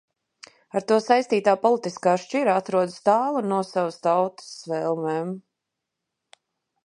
Ar to saistītā politiskā šķira atrodas tālu no savas tautas vēlmēm.